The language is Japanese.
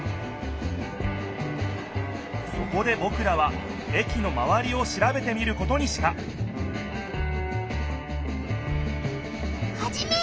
そこでぼくらは駅のまわりをしらべてみることにしたハジメ！